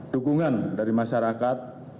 dukungan dari masyarakat